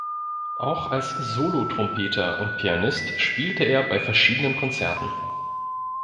Auch als Solo-Trompeter und Pianist spielte er bei verschiedenen Konzerten.